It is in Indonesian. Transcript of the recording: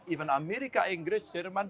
even amerika inggris jerman